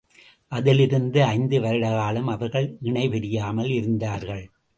அதிலிருந்து ஐந்து வருடகாலம் அவர்கள் இனைபிரியாமல் இருந்தார்கள்.